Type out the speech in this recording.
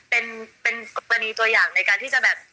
เป็นกรณีตัวอย่างในการที่จะแบบ